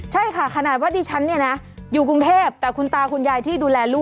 ใช่ค่ะขนาดว่าดิฉันอยู่กรุงเทพแต่คุณตาคุณยายที่ดูแลลูกเนี่ย